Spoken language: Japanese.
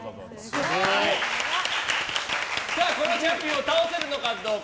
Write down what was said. このチャンピオンを倒せるのかどうか。